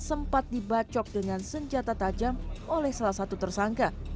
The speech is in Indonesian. sempat dibacok dengan senjata tajam oleh salah satu tersangka